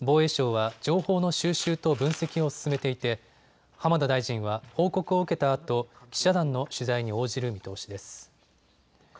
防衛省は情報の収集と分析を進めていて浜田大臣は報告を受けたあと記者団の取材に応じる見通しです。